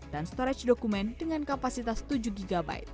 dan storage dokumen dengan kapasitas tujuh gb